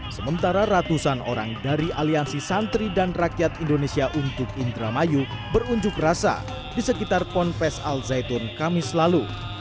sementara ratusan orang dari aliansi santri dan rakyat indonesia untuk indramayu berunjuk rasa di sekitar ponpes al zaitun kamis lalu